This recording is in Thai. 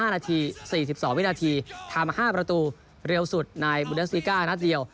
๕นาที๔๒วินาทีทำมา๕ประตูเร็วสุดในบูเดสติก้านัดเดียว